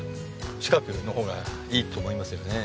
近くの方がいいと思いますよね。